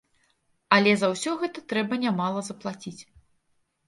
Але за ўсё гэта трэба нямала заплаціць.